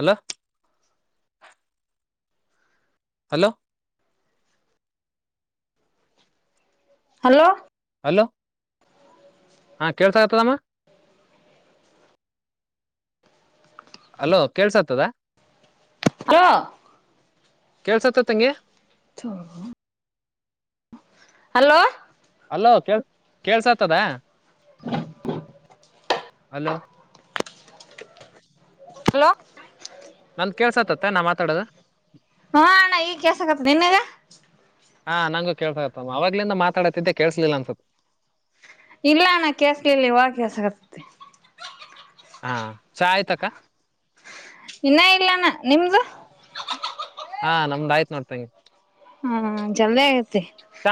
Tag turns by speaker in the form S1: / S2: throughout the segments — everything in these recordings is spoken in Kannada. S1: ಅಲ ಹಲೋ
S2: ಹಲೋ
S1: ಹಲೋ ಹಾ ಕೇಳ್ತಗತದಮ್ಮ? ಅಲೋ ಕೇಳ್ಸತದ.?
S2: ಹಲೋ
S1: ಕೇಳ್ಸತ್ತ ತಂಗಿ?
S2: ತೊ [inaudible]
S1: ಹಲೋ ಕ ಕೇಳ್ಸತದ? [inaudible] ಹಲೋ
S2: ಹಲೋ
S1: ನನ್ ಕೇಸತತ್ತ ನಾ ಮಾತಾಡೋದು?
S2: ಹಾ ಆನ ಈ ಕೆಸತನೆನೆಗ.
S1: ಹಾ ನಂಗೂ ಕೇಸ ಇರ್ತಮ್ಮ ಅವವಾಗ್ಲಿಂದ ಮಾತಾಡತಿದ್ದೆ ಕೇಸಲಿಲ್ಲ ಅನ್ಸುತ್ತ.
S2: ಇಲ್ಲಣಾ ಕೇಸ್ಲಲ್ಲಿ ಹಾಗಸಗತೆ.
S1: ಹಾ ಚಹಾ ಆಯ್ತು ಅಕ್ಕ?
S2: ಇನ್ನ ಇಲಾನ ನಿಮ್ದ?
S1: ಹಾ ನಮ್ದಾಯ್ತತ್ ನೋಡ್ತಂಗಗೆ?
S2: ಹಾ ಜಲ್ದೇ ಆ?
S1: ಚ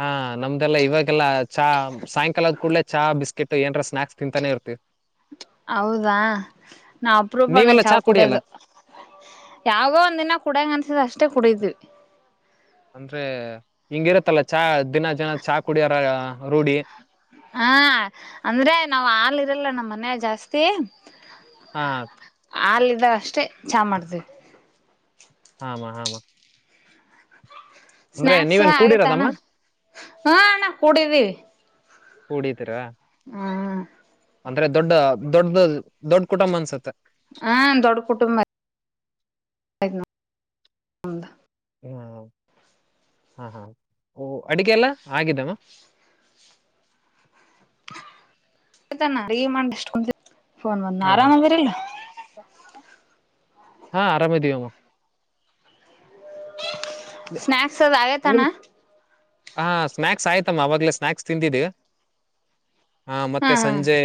S1: ಹಾ ನಮ್ದೆಲ್ಲ ಇವಾಗೆಲ್ಲಾ ಚಾ ಸಾಯಂಕಾಲದ ಕೂಡ್ಲೆ ಚಾ ಬಿಸ್ಕೆಟ್ ಏನರ ಸ್ನಾಕ್ಸ್ ತಿಂತಾನೆ ಇರ್ತವಿ,
S2: ಹೌದಾ ನಾ ಅಪ್ರೂವ್ ಮಾಡಣಂಗ
S1: ನೀವೆಲ್ಲಾ ಚಾ
S2: ಚಾವ
S1: ಕುಡಿಯಲ್ಲ
S2: ಕುಡದು ಯಾವಾಗೋ ಒಂದಿನ ಕುಡ್ಯಂಗ ಅನ್ಸಿದ ಅಷ್ಟ, ಕತ್ತಕೂಡದು
S1: ಅಂದ್ರೆ ಹಿಂಗಿರತ್ತಲ್ಲ ಚಹಾ ದಿನ ಜನ ಚಾ ಕುಡಿಯರ ರೂಢಿ
S2: ಹಾ ಸ್ಷ್ಟೇ
S1: ಹಾ
S2: ಹಲ್ಿದ್ದಾಗ ಅಷ್ಟೆ ಚಾ ಮಾಡ್ತೀವಿ,
S1: ಹಾಮ ಹಾಮ ಅಂದ್ರೆ
S2: ಸ್ನಾಯಕ್ಸ್
S1: ನೀವೇನ್
S2: ಆಗೇತಾನ
S1: ಕೂಡಿರೋದಮ್ಮ
S2: ಹಾಣ್ಣ ಕೂಡಿದ್ದೀವಿ,
S1: ಕುೂಡಿದೀರಾ
S2: ಹ್ಮ್
S1: ಅಂದ್ರೆ ದೊಡ್ಡ ದೊಡ್ಡ ದೊಡ್ಡ ಕುಟುಂಬ ಅನ್ಸುತ್ತೆ
S2: ಹಾ ದೊಡ್ಡ ಕುಟುಂಬ, ನಂಬದ
S1: ಹಾ ಹಾ ಹಾ ಅಡಗೆ ಎಲ್ಲ ಆಗಿದ್ದಮ್ಮ
S2: ಆಯ್ತನ ರಿ ಮಾಡಷ್ಟು ಫೋನ್ ಬಂದ್ನ
S1: ಹಾ ಹಾ
S2: ಆರಾಮ ಅದಿರಿಲ್ಲ.
S1: ಹಾ ಆರಾಮ ಇದವಿಮ.
S2: ಸ್ನಾಕ್ಸ್ ಆದ ಸಾಯತಾನ
S1: ಹ ಸ್ನಾಯಕ್ಸ್ ಆಯ್ತಮ್ಮ ಆವಾಗಲೇ ಸ್ನಾಕ್ಸ್ ತಿಂದಿದ್ದ ಹಾ ಮತ್ತೆ ಸಂಜೆ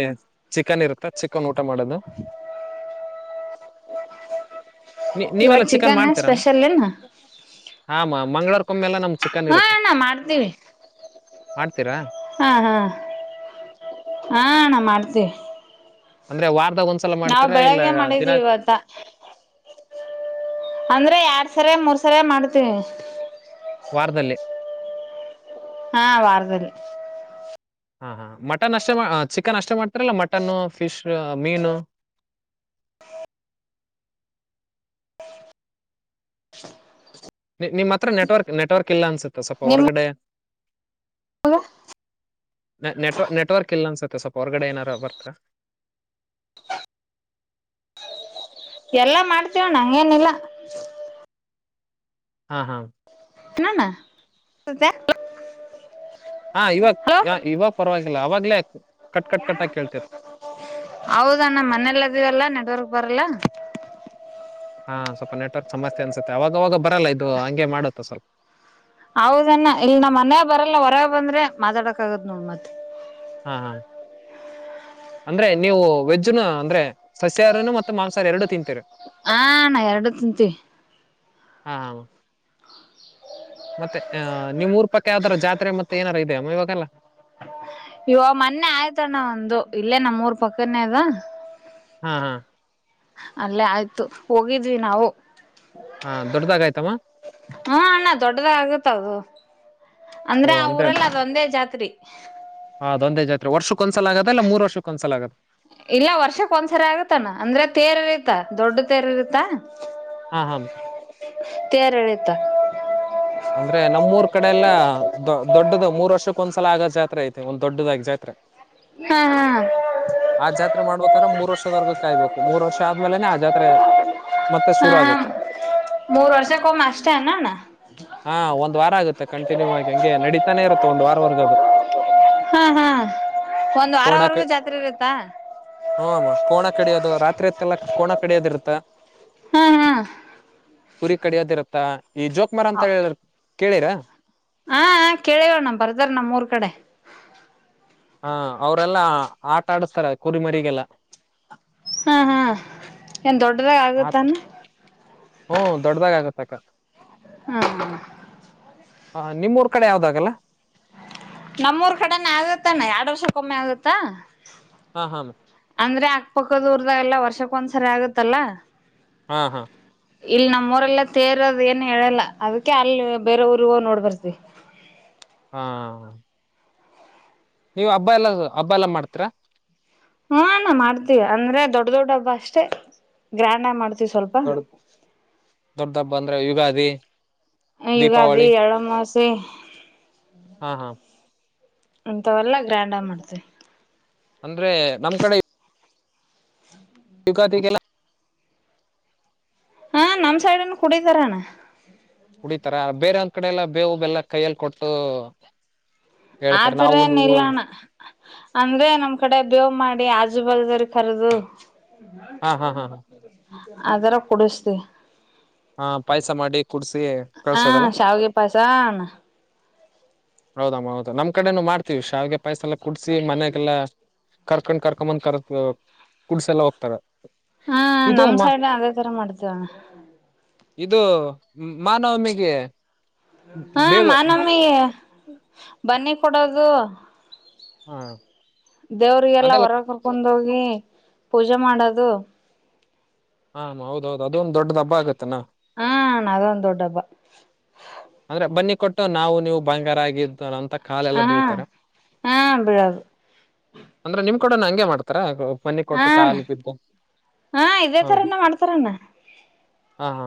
S1: ಚಿಕನ್ ಇರುತ್ತ ಚಿಕನ್ ಊಟ ಮಾಡೋದು. ನೀ-
S2: ಇವಾಗ
S1: ನೀವೆಲ್ಲ
S2: ಚಿಕನ್ ಸ್ಪೆಷಲ್ನ ಏನ್
S1: ಹ ಮಾ ಮಂಗಳರ ಕಮ್ಮಿ ಎಲ್ಲ ನಮ್ ಚಕ್ಕ
S2: ಹಾ ನಾ ಮಾಡ್ತೀವಿ.
S1: ಮಾಡ್ತೀರಾ.
S2: ಹಾ ಹಾ ಹಾ ನಾ ಮಾಡ್ತೇ.
S1: ಅಂದ್ರೆ ವಾರ್
S2: ನಾವವು ಬೆಳಗ್ಗೆ ಮಾಡಿದೀವಿ ಇವತ್ತ ಅಂದ್ರೆ ಎರಡ್ ಸರ ಮೂರ್ ಸರ ಮಾಡತಿವಿ.
S1: ವಾರದಲ್ಲ
S2: ಹಾ ವಾರ್ದದಲ್ಲಿ
S1: ಹಾ ಹಾ ಮಟನ್ ಅಷ್ಟೇ ಚಿಕನ್ ಅಷ್ಟೇ ಮಾಡ್ತಾರಲ್ಲ ಮಟನ್ ಫಿಶ್ ಮೀನು ನಿಮ್ಮ ಹತ್ರ ನೆಟ್ವರ್ಕ್ ನೆಟ್ವರ್ಕ್ ಇಲ್ಲ ಅನ್ಸುತ್ತೆ. ಸ್ವಲ್ಪ ಹೊರಗಡೆ
S2: ಹ
S1: ನ ನೆಟ್ವ ನೆಟ್ವರ್ಕ್ ಇಲ್ಲ ಅನ್ಸುತ್ತೆ ಸ್ವಪ ಹೊರ್ಗಡೆ ಏನಾರ ಬರ್ತ
S2: ಎಲ್ಲಾ ಮಾಡ್ತೇವ ನಂಗ ಏನಿಲ್ಲ.
S1: ಹಾ ಹಾ.
S2: [unintelligible]
S1: ಹಾ ಇವಾಗ
S2: ಹಲೋ
S1: ಇವಾಗ ಪರವಾಗಿಲ್ಲ ಅವವಾಗ್ಲೇ ಕಟ್ ಕಟ್ ಕಟ್ಟಾಗಿ ಕೇಳ್ತೇತಿ.
S2: ಹೌದಣ್ಣ ಮನೇಲ್ಲ ಇದೀವಲ್ಲ ನೆಟ್ವರ್ಕ್ ಬರಲ್ಲ
S1: ಹಾ ಸ್ವಲ್ಪ ನೆಟ್ವರ್ಕ್ ಸಮಸ್ಯೆ ಅನ್ಸುತ್ತೆ ಅವಾಗವಾಗ ಬರಲ್ಲ ಇದು ಹಂಗೆ ಮಾಡುತ್ತ ಸ್ವಲ್ಪ
S2: ಹೌದಣ ಇಲ್ಲಿ ನಮ್ಮ ಮನೆ ಬರಲ್ಲ ಹೊರಗೆ ಬಂದ್ರೆ ಮಾತಾಡಕ್ ಆದ್ ನೋಡ್ ಮತ್ತ
S1: ಹಾ ಹಾ ಅಂದ್ರೆ ನೀವು ವೆಜ್ಜ್ನು ಅಂದ್ರೆ ಸಸ್ಯಾರನು ಮತ್ತೆ ಮಾಂಸಾಹಾರ ಎರಡು ತಿಂತೀರಿ.
S2: ಹಣಾ ಎರಡು ತಿಂತೀವಿ.
S1: ಹಾ ಮತ್ತೆ ಅಹ ನಿಮ್ಮ್ ಊರ್ಪಕ್ಕ ಯಾರ ಜಾತ್ರೆ ಮತ್ತೆ ಏನಾರೂ ಇದೆಯ ಅಮ್ಮ ಇವಾಗಲ್ಲ.
S2: ಇವ ಮೊನ್ನೆ ಆಯ್ತಣ್ಣ ಒಂದು ಇಲ್ಲೇ ನಮ್ಮೂರ್ ಪಕ್ಕನೇ ಅದ.
S1: ಹ್ಮ ಹಾ.
S2: ಅಲ್ಲೇ ಆಯ್ತು ಹೋಗಿದ್ವಿ ನಾವು
S1: ಹಾ ದೊಡ್ಡದಾಗಾಯ್ತಮ್ಮ
S2: ಹಾ ಅಣ್ಣ ದೊಡ್ಡದ ಆಗತ್ದು
S1: ಓ
S2: ಅಂದ್ರ ಆ
S1: ಅಂದ್ರೆ
S2: ಊರಲ್ಲ ಅದೊಂದೇ ಜಾತಿ ತ್ರೀ
S1: ಆ, ಅದೊಂದೇ ಜಾತ್ರೆ ವರ್ಷಕ್ಕ ಒಂದ ಸಲ ಆಗೋದ ಎನ್ ಮೂರುರ್ಷಕ್ಕ ಒಂದ್ಸಲ ಆಗದ.
S2: ಇಲ್ಲ ವರ್ಷಕ್ ಒಂದ್ಸರಿ ಆಗತ್ತಾನ ಅಂದ್ರೆ ತೇರ್ಐತ ದೊಡ್ಡ ತೆರ ಇರತ್ತಾ.
S1: ಹಾ ಹಾ
S2: ತೆರಿಳಿತ
S1: ಅಂದ್ರೆ ನಮ್ಮೂರ್ ಕಡೆ ಎಲ್ಲಾ ದೊ ದೊಡ್ಡದ ಮೂರ್ ವರ್ಷಕ್ಕ ಒಂದ್ಸಲ ಆಗೋ ಜಾತ್ರೆ ಐತಿ ಒಂದ್ ದೊಡ್ಡದಾಗಿ ಜಾತ್ರೆ,
S2: ಹಾ ಹಾ
S1: ಆ ಜಾತ್ರೆ ಮಾಡ್ಬೇಕ್ರ ಮೂರ್ ವರ್ಷದವರ್ಗ ಕಾಯ್ಬೇಕು ಮೂರ್ ವರ್ಷ ಆದ್ಮೇಲೆನೆ ಆ ಜಾತ್ರೆ ಮತ್ತೆ
S2: ಹಾ
S1: ಶುರು
S2: ಹಾ
S1: ಆಗುತ್ತೆ.
S2: ಮೂರ್ ವರ್ಷಕ್ಕೊಮ್ಮೆ ಅಷ್ಟೇ ಅನ ಅಣ್ಣ
S1: ಹಾ ಒಂದ್ ವಾರ ಆಗುತ್ತೆ ಕಂಟಿನ್ಯೂ ಆಗಿ ಹಂಗೆ ನಡೀತಾನೆ ಇರುತ್ತೆ ಒಂದ್ ವಾರವರ್ಗದು.
S2: ಹಾ ಹಾ ಒಂದ್
S1: ಕೋಣಕ
S2: ವಾರವರೆಗೂ ಜಾತ್ರೆ ಇರುತ್ತಾ
S1: ಹ ಕೋಣ ಕಡೋದು ರಾತ್ರಿಯತ್ತಲ್ಲ ಕೋಣ ಕಡಿಯೋದ ಇರ್ತ್ತ,
S2: ಹಾ ಹಾ
S1: ಕುರಿ ಕಡಿಯದ್ ಇರತ್ತಾ ಈಜೋ ಕುಮಾರ್ ಅಂತ ಹೇಳಿದ್ರ ಕೇಳಿರಾ
S2: ಹ ಕೇಳಿವಣ್ಣ ಬರ್ತಾರ ನಮ್ಮ್ೂರ್ ಕಡೆ.
S1: ಹಾ ಅವರೆಲ್ಲಾ ಆಟ ಆಡಸ್ತಾರೆ ಕುರಿಮರಿಗೆಲ್ಲ,
S2: ಹ್ಮ ಹ್ಮ ಏನ್ ದೊಡ್ಡದಾಗ ಆಗುತ್ತಾನ
S1: ಹ್ಮ ದೊಡ್ಡ್ದಾಗ ಆಗತ್ತ ಅಕ್ಕ
S2: ಹ್ಮ್
S1: ಹ ನಿಮ್ಮೂಊರ್ ಕಡೆ ಯಾವ್ದಾಗಲ್ಲ?
S2: ನಮ್ಮೂರ್ ಕಡೆನೆ ಆಗತ್ತಾನ ಎರಡ್ ವರ್ಷಕ್ಕೊಮ್ಮೆ ಆಗತ್ತ.
S1: ಹಾ ಹಾ
S2: ಅಂದ್ರೆ ಅಕ್ಕಪಕ್ಕದೂರದಾಗೆಲ್ಲ ವರ್ಷಕ್ಕೊಂದ್ಸರಿ ಆಗತ್ತಲ್ಲಾ.
S1: ಹಾ ಹಾ
S2: ಇಲ್ಲಿ ನಮ್ಮ ಊರೆಲ್ಲ ತೇರೋದ ಏನು ಹೇಳಲ್ಲ ಅದಕ್ಕೆ ಅಲ್ಲಿ ಬೇರೆ ಊರಿಗ ನೋಡ್ಬರ್ತಿವಿ.
S1: ಹಾ ನೀವ್ ಹಬ್ಬ ಎಲ್ಲ ಹಬ್ಬ ಎಲ್ಲಾ ಮಾಡ್ತೀರಾ?
S2: ಹಾ ನಾ ಮಾಡ್ತೀವಿ ಅಂದ್ರೆ ದೊಡ್ಡ ದೊಡ್ಡ ಹಬ್ಬ ಅಷ್ಟೇ ಗ್ರ್ಯಾಂಡ್ ಆಗಿ ಮಾಡ್ತವಿ?
S1: ದೊಡ್ಡ ದೊಡ್ಡ ಬಂದ ಯುಗಾದಿ.
S2: ಯುಗಾದಿ
S1: ದೀಪಾವಳಿ
S2: ಯಳ್ಳ ಅಮಾಸೆ
S1: ಹಾ ಹಾ
S2: ಅಂತವಲ್ಲ ಗ್ರಾಂಡ್ ಮಾಡ್ತವಿ
S1: ಅಂದ್ರೆ ನಮ್ ಕಡೆ
S2: ಹ್ಮ
S1: [inaudible]
S2: ಹಾ ನಮ್ ಸೈಡ್ನ್ನು ಕುಡಿತಾರಣ.
S1: ಕುಡಿತಾರ ಬೇರೆ ಅಂತ ಆ ಕಡೆ ಎಲ್ಲಾ ಬೇವು ಬೆಲ್ಲ ಕೈಯಲ್ಲಿ ಕೊಟ್ಟು ಹೇಳ್ತಾರೆ
S2: ಆದ್ರೇ
S1: ನಾವು ನೀವು
S2: ನಿಲ್ಲೋಣ ಅಂದ್ರೆ ನಮ್ ಕಡೆ ಬೇವು ಮಾಡಿ ಆಜು ಬಲ್ದರಿ ಕರ್ದು
S1: ಹಾ ಹಾ ಹಾ
S2: ಬ ಅದರ ಕುಡಿಸ್ದ
S1: ಹಾ ಪಾಯ್ಸ ಮಾಡಿ ಕುೂಡ್ಸಿ
S2: ಹಾ
S1: ಕಳ್ಸೋದಲ್ಲ
S2: ಶಾವಿಗೆ ಪಾಯ್ಸ ಅಣ್ಣ
S1: ಹೌದಮ್ಮ ಹೌದು ನಮ್ಕಡೆನು ಮಾಡ್ತೀವಿ ಶಾವಿಗೆ ಹಾಗೆ ಪಾಯಸ ಎಲ್ಲ ಕುಡ್ಸಿ ಮನೆಗೆಲ್ಲ ಕರ್ಕೊಂಡ್ ಕರ್ಕೊಂಡ್ ಬಂದ್ ಕರದ ಕುಡ್ಸೆಲ್ಲ ಹೋಗ್ತಾರ
S2: ಹಾ
S1: ಇದು
S2: ನಮ್
S1: ಮಾ
S2: ಸೈಡ್ ಅದೇ ತರ ಮಾಡ್ತೇವ ಅಣ್ಣ
S1: ಇದು ಮಹಾ ನವಮಿಗೆ
S2: ಹಾ ಮಹಾನವಮಿ ಬನ್ನಿ ಕೊಡದು
S1: ಹಾ
S2: ದೇವ್ರಿಗೆಲ್ಲ
S1: ಅದೆಲ್ಲ
S2: ಹೊರ ಕರ್ಕೊಂಡ ಹೋಗಿ ಪೂಜೆ ಮಾಡೋದು
S1: ಹ ಹೌದೌದದು ಅದೊಂದ್ ದೊಡ್ಡದ್ ಹಬ್ಬ ಆಗತ್ತಾನ
S2: ಹಾ ಅಣ್ಣ ಅದೊಂದ್ ದೊಡ್ಡಬ್ಬ
S1: ಅಂದ್ರೆ ಬನ್ನಿ ಕೊಟ್ಟು ನಾವು ನೀವು ಬಂಗಾರ ಆಗಿದ್ದು ಅಂತ ಕಾಲೆಲ್ಲ
S2: ಹ
S1: ಬೀಳ್ತಾರೆ
S2: ಹಾ ಬಿಳದು
S1: ಅಂದ್ರೆ ನಿಮ್ ಕಡೆನೂ ಹಂಗೆ ಮಾಡ್ತಾರ ಬನ್ನಿ
S2: ಹ
S1: ಕೊಟ್ಟು ಕಾಲು ಬಿದ್ದು
S2: ಹಾ ಇದೇ ತರನ ಮಾಡ್ತಾರಣ
S1: ಹಾ ಹ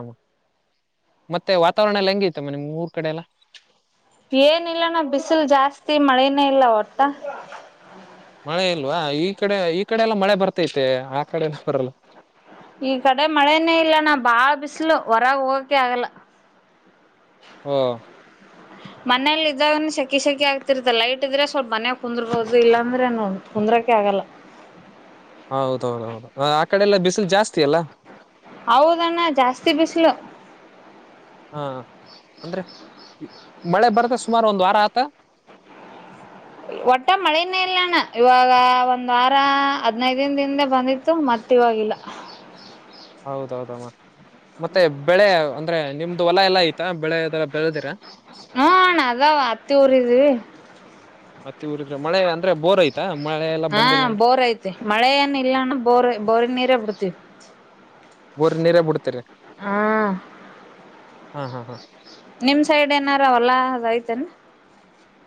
S1: ಮತ್ತೆ ವಾತಾವರಣ ಎಲ್ಲ ಹೆಂಗೇತಿ ನಿಮ್ಮ ಊರ್ ಕಡೆ ಎಲ್ಲ
S2: ಏನಿಲ್ಲ ನ ಬಿಸಿಲು ಜಾಸ್ತಿ ಮಳೆನೇ ಇಲ್ಲ ಒಟ್ಟ
S1: ಮಳೆ ಇಲ್ವಾ ಈ ಕಡೆ ಈ ಕಡೆ ಎಲ್ಲ ಮಳೆ ಬರ್ತೈತೆ ಆ ಕಡೆ ಬರಲ್ಲ
S2: ಈ ಕಡೆ ಮಳೆನೇ ಇಲ್ಲ ನ ಬಾಳ ಬಿಸ್ಲು ಹೊರಗೆ ಹೋಗಕೆ ಆಗಲ್ಲ
S1: ಓ
S2: ಮನೇೆಲ್ಲಿ ಇದ್ದಾಗನು ಸೆಕಿ ಸೆಕಿ ಆಗ್ತಿರ್ತ್ತ ಲೈಟ್ ಇದ್ರೆ ಸ್ವಲ್ಪ ಮನೆಲಿ ಕುಂದರ್ಬೋದು ಇಲ್ಲಾಂದ್ರೆನು ಕುಂದ್ರಕೆ ಆಗಲ್ಲ
S1: ಹೌದೌದೌದು ಆ ಕಡೆ ಎಲ್ಲ ಬಿಸಿಲು ಜಾಸ್ತಿ ಅಲ್ಲಾ
S2: ಹೌದಣ್ಣ ಜಾಸ್ತಿ ಬಿಸಿಲು
S1: ಹಾ ಅಂದ್ರೆ ಮಳೆ ಬರ್ತ್ತೆ ಸುಮಾರು ಒಂದ್ ವಾರ ಆತ
S2: ಒಟ್ಟೆ ಮಳೆನೇ ಇಲ್ಲಣ ಇವಾಗ ಒಂದ್ ವಾರ ಹದ್ನೈದಿನ ದಿನದಿಂದೆ ಬಂದಿತ್ತು ಮತ್ತ ಇವವಾಗಿಲ್ಲ
S1: ಹೌದೌದಮ್ಮ ಮತ್ತೆ ಬೆಳೆ ಒ ಅಂದ್ರೆ ನಿಮ್ದ್ ಹೊಲ ಎಲ್ಲ ಆಯತಾ ಬೆಳೆದ
S2: ಹ ನ ಅದವಾ ಅತ್ತಿ ಊರಿದ್ವಿ
S1: ಮತ್ತೆ ಇವರು ಇದ್ರೆ ಮಳೆ ಅಂದ್ರೆ ಬೋರ್ ಆಯ್ತಾ
S2: ಹಾ ಬೋರ್ ಐತಿ ಮಳೆ ಏನ್ ಇಲ್ಲಣ್ಣ ಬೋರ್ ಬೋರ್ ನೀರ ಬಿಡ್ತೀವಿ
S1: ಬೋರಿನ ನೀರು ಬಿಡ್ತರ
S2: ಹಾ
S1: ಹಾ ಹಾ ಹಾ
S2: ನಿಮ್ ಸೈಡ್ ಏನಾರ ಹೊಲ ಅದಐತನ್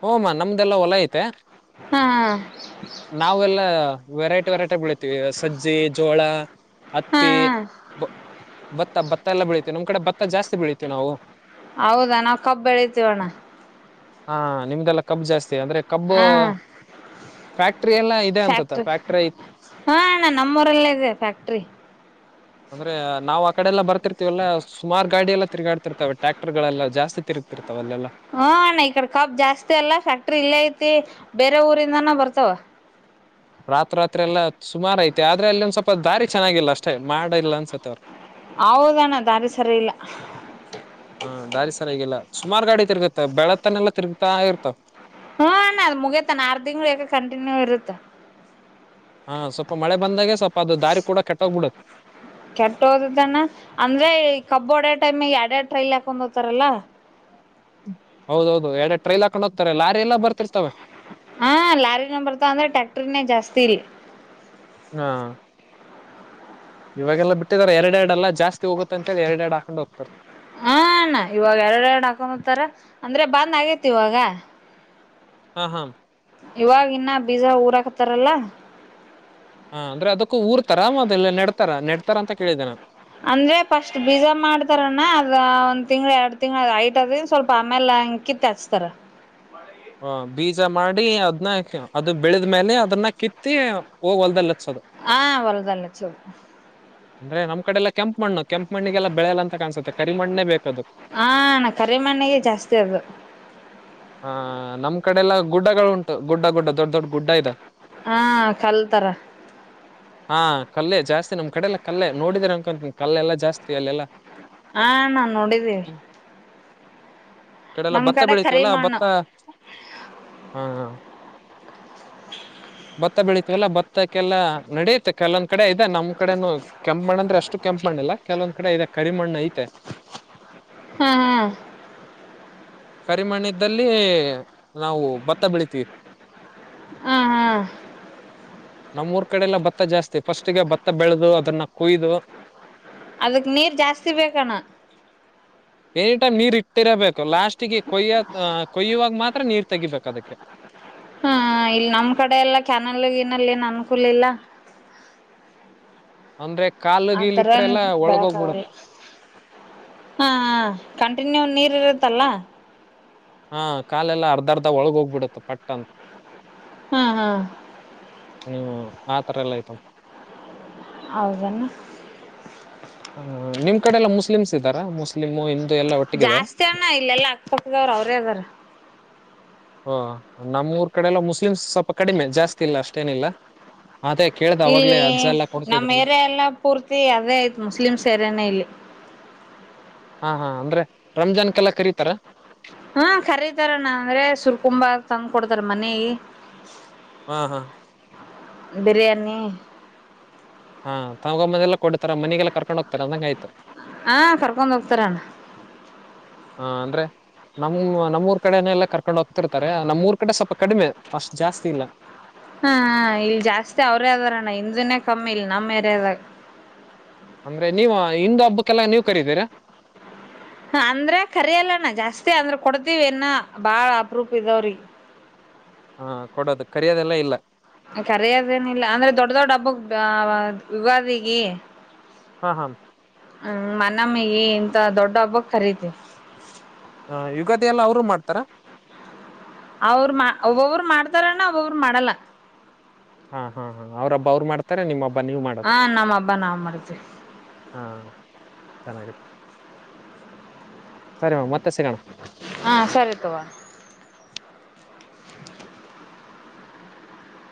S1: ಹಓಮ್ಮ ನಮ್ದೆಲ್ಲಾ ಹೊಲ ಐತೆ
S2: ಹಾ
S1: ನಾವೆಲ್ಲಾ ವೆರೈಟಿ. ವೆರೈಟಿ ಬೆೀಳವಿ ಸಜ್ಜಿ ಜೋಳ
S2: ಹಾ
S1: ಹತ್ತಿ. ಭತ್ತ ಭತ್ತ ಎಲ್ಲ ಬೆಳೀತಿೀವಿ ನಮ್ ಕಡೆ ಭತ್ತ ಜಾಸ್ತಿ ಬೆಳೀತಿವಿ ನಾವು.
S2: ಹೌದಾ ನಾವು ಕಬ್ ಬೆಳತಿೀವಣ್ಣ.
S1: ಹಾ ನಿಮ್ದದೆಲ್ಲ ಕಬ್ು ಜಾಸ್ತಿ. ಅಂದ್ರೆ ಕಬ್
S2: ಹಾ
S1: ್ಯಾಕ್ಟರಿ ಎಲ್ಲ ಇದೆ ಅನ್ಸ
S2: ಫ್ಯಾಕ್ಟ್ರಿ
S1: ಫ್ಯಾಕ್ಟರಿ ಐ
S2: ಹಾ ಅಣ್ಣ ನಮ್ಮೂರಲ್ಲೇ ಇದೆ ಫ್ಯಾಕ್ಟ್ರಿ
S1: ಅಂದ್ರೆ ನಾವು ಆ ಕಡೆ ಬರ್ತಿವಲ್ಲ. ರ್ತಿವಲ್ಲ ಸುಮಾರ್ ಗಾಡಿ ಎಲ್ಲ ತಿರುಗಾಡ್ತಿರ್ತವೆ ಟ್ಯಾಕ್ಟರ್ಗಳಲ್ಲ ಜಾ. ತಿ ತಿರುಗ್ತಿರ್ತವೆ
S2: ಹಾ ಅಣ್ಣ. ಕಾಬ್ ಜಾಸ್ತಿ ಅಲ್ಲ ಫ್ಯಾಕ್ಟ್ರಿ ಇಲ್ಲೇ ಐತಿ ಬೇರೆ ಊರಿಂದಾನ ಬರ್ತಾವ.
S1: ರಾತ್ರಾತ್ರಿ ಎಲ್ಲ ಸುಮಾರ ಐತೆ ಆದ್ರೆ ಅಲ್ಲಿೊಂದ ಸ್ವಲ್ಪ ದಾರಿ ಚೆನ್ನಾಗಿಲ್ಲ ಅಷ್ಟೇ ಮಾಡ ಇಲ್ಲ ಅನ್ಸತ್ತ ಅವ್ರು.
S2: ಹೌದಣ್ಣ ದಾರಿ ಸರಿ ಇಲ್ಲ.
S1: ಸುಮಾರು ಗಾಡಿ ತಿರುಗತ್ತ ಬೆಳತ್ತನಲ್ಲ ತಿರ್ಗ್ತಾ ಇರ್ತಾವ.
S2: ಹ್ಮ ಅಣ್ಣ ಅದು ಮುಗಿಯೋತನ ಆರು ತಿಂಗಳ ಕಂಟಿನ್ಯೂ ಇರುತ್ತಾ.
S1: ಹಾ ಸ್ವಲ್ಪ ಮಳೆ ಬಂದಾಗೆ ಸ್ವಲ್ಪ. ಅದು ದಾರಿ ಕೂಡ ಕೆಟ್ಟೋಗ್ಬಿಡುತ್ತೆ
S2: ಕೆಟ್ಟ ಹೋದದನ ಅಂದ್ರೆ ಈ ಕಬೋಡ. ಟೈಮಗೆ ಎಡೆ ಎರಡು ್ರೈಲ್ ಹಾಕೊಂಡ್ ಹೋಗತಾರಲ್ಲ.
S1: ಹೌದೌದು ಎರ ಟ್ರೈಲ್ ಹಾಕೊಂಡ.
S2: ಹ ಲಾರಿನ ಬರ್ತ ಅಂದ್ರೆ ಟ್ಯಾಕ್ಟರ್ನೇ ಜಾಸ್ತಿ ಇಲ್ಲಿ.
S1: ಹಾ. ಇವಾಗೆಲ್ಲ ಬಿಟ್ಟಿದಿದ್ದಾರೆ ಎರಡೆ ಎರಡೆಲ್ಲ ಜಾಸ್ತಿ ಹೋಗುತ್ತತ್ತ ಅಂತೇಳಿ ಎರಡೆ ಎರಡು ಹಾಕೊಂಡ್ ಹೋಗ್ತಾರೆ.
S2: ಹಣ್ಣ ಇವಾಗ ಎರಡೆ ಎರಡು ಹಾಕೊಂಡ ಹತಾರ ಅಂದ್ರೆ ಬಂದ್ ಆಗೇತಿ ಇವಾಗ.
S1: ಹಾ ಹಾ.
S2: ಇವಾಗ ಇನ್ನ ಬೀಜ ಊರಾಕ್ತಾರಲ್ಲ.
S1: ಹಾ ಅಂದ್ರೆ ಅದಕ್ಕೂ ಊರ್ತರ ಮದಲ್ಲ ನೆಡ್ತಾರ ನೆಡ್ತಾರ ಅಂತ ಕೇಳಿದ್ದೆನ.
S2: ಅಂದ್ರೆ ಫಸ್ಟ್ ಬೀಜ ಮಾಡ್ತಾರಣ್ಣ ಅದ ಒಂದ್ ತಿಂಗಳ ಎರಡು ತಿಂಗ್ಳ ಐಟ್ ಅದ ಸ್ವಲ್ಪ ಆಮೇಲೆ ಅ ಕಿತ್ ಹಚ್ತಾರ.
S1: ಹ ಬೀಜ ಮಾಡಿ ಅದ್ನ್ನ ಅದು ಬೆಳೆದ್ಮೇಲೆ ಅದನ್ನ ಕಿತ್ತಿ ಹೋಗ ಹೊಲ್ದಲ್ಲ ಹಚ್ಚೋದು.
S2: ಹಾ ಹೊಲದಲ್ಲಿ ಹಚ್ಚೋದು.
S1: ಅಂದ್ರೆ ನಮ್ ಕಡೆ ಎಲ್ಲ. ಕೆಂಪು ಮಣ್ಣು ಕೆಂಪು ಮಣ್ಣಿಗೆಲ್ಲ ಬೆಳೆಯಲ್ಲ ಅಂತ ಕಾಣಸುತ್ತೆ ಕರಿಮಣ್ಣೇ ಬೇಕದು
S2: ಹಾ ಅಣ್ಣ ಕರಿ ಮಣ್ಣಿಗೆ ಜಾಸ್ತಿ ಅದು
S1: ಹ. ನಮ್ಮ ಕಡೆ ಎಲ್ಲ ಗುಡ್ಡಗಳುಂಟು ಗುಡ್ಡ ಗುಡ್ ದೊಡ್ ದೊಡ್ ಗುಡ್ಡ ಇದೆ.
S2: ಹಾ ಕಲ್ತಾರ.
S1: ಹಾ ಕಲ್ಲೇ ಜಾಸ್ತಿ ನಮ್ ಕಡೆ ಎಲ್ಲ ಕಲ್ಲೆ ನೋಡಿದ್ರೆ ಅನ್ಕೊಂತೀನ ಕಲ್ಲೆಲ್ಲಾ ಜಾಸ್ತಿ ಅಲ್ಲೆಲ್ಲಾ.
S2: ಹಾ ನಾನ್ ನೋಡಿದ್ದೀ.
S1: ಕಡೆಲ್ಲ ಭತ್ತ
S2: ಕರಿ
S1: ಬೆಳತವಲ್ಲ
S2: ಮಣ್ಣು
S1: ಭತ್ತ. ಹಾ ಹಾ. ಭತ್ತ ಬೆಳೀಿತವಲ್ಲ ಬತ್ತಕಲ್ಲ ನಡೆಯುತ್ತೆ ಕಲ. ಕಡೆ ಇದೆ ನಮ್ ಕಡೆನು ಕೆಂಪ್ ಮಾಡಣ ಅಂದ್ರೆಷ್ಟ ಕೆಂಪ್ುಣ್ಣಿಲ್ಲಾ ಕೆಲವಂದ. ಕಡ ಇದ ಕರಿಮಣ್ಣ ಐತ್.
S2: ಹ್ಮ್ ಹ್ಮ್.
S1: ಮಣ್ಣಿದ್ದಲ್ಲಿ ನಾವು ಭತ್ತ ಬೆಳ್ತೇವೆ
S2: ಹ್ಮ ಹ್ಮ್
S1: ನಮ್ಮೂಊರ್ ಕಡೆಲ್ಲ ಭತ್ತ ಜಾಸ್ತಿ ಫಸ್ಟ್ಿಗೆ ಭತ್ತ ಬೆಳೆದು ಅದನ್ನ ಕುಯ್ದು
S2: ಅದಕ್ ನೀರ್ ಜಾಸ್ತಿ ಬೇಕಣ
S1: ಎನಿ ಟೈಮ್ ನೀರ್ ಇಟ್ಟಿರಬೇಕು ಲಾಸ್ಟ್ ಕೊಯ್ಯುವಾಗ ಮಾತ್ರ ನೀರ್ ತೆಗಿಬೇಕ ಅದಕ್ಕೆ
S2: ಹಾ ಇಲ್ಲಿ ನಮ್ ಕಡೆ ಎಲ್ಲಾ ಕ್ಯಾನಲ್ಗಏನಲ್ಲ ಏನು ಅನುಕೂಲ ಇಲ್ಲ
S1: ಅಂದ್ರೆ ಕಾಲು ಗೀಲ್
S2: ಆತರ
S1: ಇಟ್ರೆ ಎಲ್ಲಾ
S2: ಬೆಳಕ ಆಗಲ್ಲ
S1: ಒಳಗೋಗ್ಬಿಡುತ್ತೆ
S2: ಹಾ ಕಂಟಿನ್ಯೂ ನೀರ್ ಇರದ ಲ್ಲ
S1: ಹಾ ಕಾಲೆಲ್ಲ ಅರ್ಧರ್ಧ ಒಳಗ ಹೋಗ್ಬಿಡುತ್ತ ಪಟ್ಟಂತ
S2: ಹ್ಮ್ ಹ್ಮ್
S1: ಹ್ಮ್ ಆತರ ಎಲ್ಲ ಆಯ್ತಮ್ಮ
S2: ಹೌಧೆನ್
S1: ಹ ನಿಮ್ ಕಡೆ ಎಲ್ಲಾ ಮುಸ್ಲಿಮ್ ಇದ್ದಾರಾ ಮುಸ್ಲಿ
S2: ಜಾಸ್ತಿ ಅಣ್ಣ ಇಲ್ಲೆಲ್ಲಾ ಅಕ್ಪತದವ್ರ ಅವ್ರೇ ಅದಾರ
S1: ಹ ನಮ್ಮೂಊರ್ ಕಡೆಲ್ಲ ಮುಸ್ಲಿಮ್ಸ್ ಸ್ವಲ್ಪ ಕಡಿಮೆ ಜಾಸ್ತಿ ಇಲ್ಲ ಅಷ್ಟೇನಿಲ್ಲ ಅದೇ ಕೇಳ್ದ ಅವಾಗ್ಲೇ
S2: ಇಲ್ಲಿ
S1: ಅಜ್ಜ ಎಲ್ಲ
S2: ನಮ್ಮ್
S1: ಕೊಡ್ತಿದ್ರಲ್ಲ
S2: ಏರಿಯ ಎಲ್ಲ ಪೂರ್ತಿ ಅದೇ ಐತ್ ಮುಸ್ಲಿಮ್ಸ್ ಏರಯನೇ ಇಲ್ಲಿ
S1: ಹಾ ಹಾ ಅಂದ್ರೆ ರಂಜಾನ್ಕ್ಕೆಲ್ಲ ಕರೀತಾರ
S2: ಹ್ಮ ಕರೀತಾರ ನಾ ಅಂದ್ರೆ ಸುರ್ಕುಂಬ ತಂದ್ ಕೊಡ್ತಾರ ಮನೆ ಗಿ
S1: ಹಾ
S2: ಬಿರಿಯಾನಿ
S1: ಹಾ ತಗೊಮ್ಮನೆ ಎಲ್ಲ ಕೊಡ್ತಾರ ಮನೆಗೆಲ್ಲರ್ಕೊಂಡ್ ಹೋಗ್ತಾರೆ ಅಂದಂಗ ಆಯ್ತು
S2: ಹಾ ಕರ್ಕೊಂಡ ಹೋಗ್ತಾರಣ್ಣ
S1: ಹಾ ಅಂದ್ರೆ ನಮ್ಮ ನಮ್ಮೂರ್ ಕಡೆನೆ ಎಲ್ಲ ಕರ್ಕೊಂಡು ಹೋಗ್ತಿರ್ತಾರೆ ನಮ್ಮೂಊರ್ ಕಡೆ ಸ್ವಲ್ಪ ಕಡಿಮೆ ಅಸ್ಟ್ ಜಾಸ್ತಿ ಇಲ್ಲ
S2: ಹ್ಮ ಇಲ್ ಜಾಸ್ತಿ ಅವ್ರೇ ಅದಾರಣ್ಣ ಹಿಂಧು ನೇ ಕಮ್ಮಿ ಇಲ್ ನಮ್ಮ ಏ ರೆದಾಗ
S1: ಅಂದ್ರೆ ನೀವ ಹಿಂದು ಹಬ್ಬಕ್ಕೆಲ್ಲ ನೀವ್ ಕರತೀರಾ
S2: ಅಂದ್ರ ಕರಿಯಲ್ಲಣ ಜಾಸ್ತಿ ಅಂದ್ರ ಕೊಡ್ತಿೀವಿ ನ್ನ ಬಾಳ ಅಪ್ರೂಪ ಇದಾವ್ರಿಗೆ
S1: ಹಾ ಕೊಡೋದು ಕರಿಯೋದೆಲ್ಲ ಇಲ್ಲ
S2: ಕರೆಯದೇನಿಲ್ಲ ಅಂದ್ರೆ ದೊಡ್ ದೊಡ್ಡ ಹಬ್ಬಕ್ ವಿವಾದ ಈಗಿ
S1: ಹಾ
S2: ಹ್ಮ್ ಮನಮ್ಮಿಗೆ ಇಂತ ದೊಡ್ಡ ಹಬ್ಬಕ್ ಖರೀತಿ
S1: ಹ ಯುಗಾದಿ ಎಲ್ಲ ಅವರು ಮಾಡ್ತಾರ
S2: ಅವ್ರ ಒಬ್ಬೊವರು ಮಾಡ್ತಾರಣ್ಣ ಒಬ್ಬೊಬ್ಬರು ಮಾಡಲ್ಲ
S1: ಹಾ ಹಾ ಹಾ ಅವ್ರ ಹಬ್ಬ ಅವ್ರು ಮಾಡ್ತಾರೆ ನಿಮ್ಮಬ್
S2: ಹಾ ನಮ್ಮ ಹಬ್ಬ ನಾ ಮಾಡಿದ್ವಿ
S1: ಚೆನ್ನಾಗಿ ಇರಿ [inaudible] ಸರಿ ಮತ್ತೆ ಸಿಗೋಣ
S2: ಹಾ ಸರಿ ತವಾ